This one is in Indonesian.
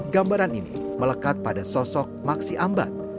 gambaran ini melekat pada sosok maksi ambat